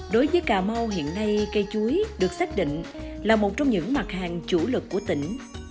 đối với cà mau hiện nay cây chuối được xác định là một trong những mặt hàng chủ lực của tỉnh